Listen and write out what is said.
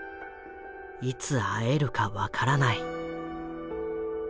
いつ会えるか分からない。